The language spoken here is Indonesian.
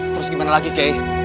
terus gimana lagi ki